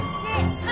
はい！